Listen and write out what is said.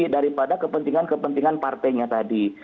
daripada kepentingan kepentingan partainya tadi